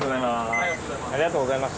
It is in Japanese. ありがとうございます。